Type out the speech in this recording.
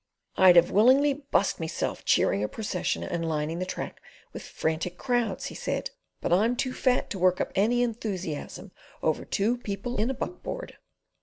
"I'd 'av willingly bust meself cheering a procession and lining the track with frantic crowds," he said, "but I'm too fat to work up any enthusiasm over two people in a buck board."